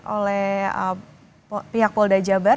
oleh pihak polda jabar